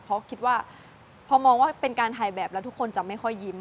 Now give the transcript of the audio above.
เพราะคิดว่าพอมองว่าเป็นการถ่ายแบบแล้วทุกคนจะไม่ค่อยยิ้ม